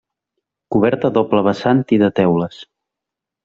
Coberta a doble vessant i de teules.